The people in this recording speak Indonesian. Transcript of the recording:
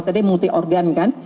tadi multi organ kan